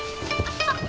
あっ。